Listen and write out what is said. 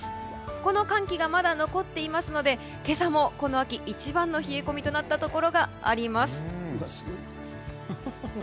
この寒気がまだ残っていましたので今朝もこの秋一番の冷え込みとなったところがあります。